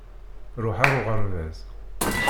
Ṛuḥ ar uɣerbaz!